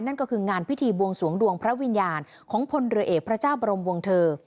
นั่นก็คืองานพิธีบวงสวงดวงพระวิญญาณของพลเรือเอกพระเจ้าบรมวงเถอร์